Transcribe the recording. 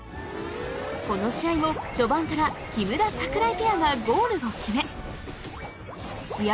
この試合も序盤から木村・櫻井ペアがゴールを決め試合